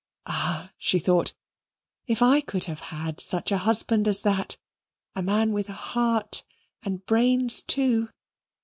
"Ah!" she thought, "if I could have had such a husband as that a man with a heart and brains too!